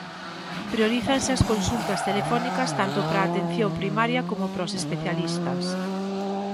Priorízanse as consultas telefónicas tanto para a Atención Primaria como para os especialistas.